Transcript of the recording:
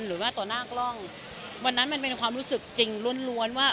หรือว่าต่อหน้ากล้องวันนั้นมันเป็นความรู้สึกจริงล้วนล้วนว่า